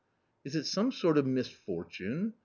" Is it some sort of misfortune